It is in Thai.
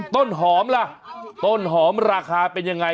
ต้นหอมล่ะต้นหอมราคาเป็นยังไง